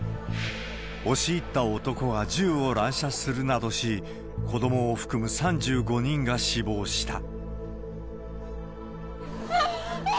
押し入った男は銃を乱射するなどし、子どもを含む３５人が死亡した。